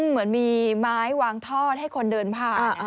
เหมือนมีไม้วางทอดให้คนเดินผ่าน